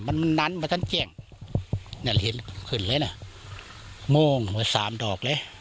มันมันนั้นมาทั้งแจ้งเนี่ยเห็นขึ้นแล้วน่ะโม่งมาสามดอกเลย